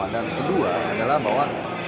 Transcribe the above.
dan kedua adalah bahwa